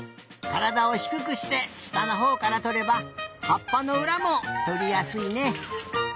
からだをひくくしてしたのほうからとればはっぱのうらもとりやすいね。